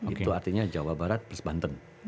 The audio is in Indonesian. itu artinya jawa barat plus banten